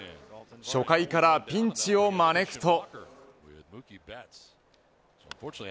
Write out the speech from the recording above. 初回からピンチを招くと。